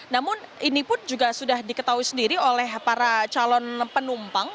namun ini pun juga sudah diketahui sendiri oleh para calon penumpang